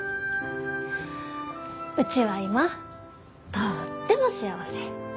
うちは今とっても幸せ。